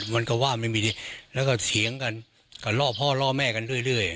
มันก็ว่าไม่มีแล้วก็เถียงกันก็ล่อพ่อล่อแม่กันเรื่อย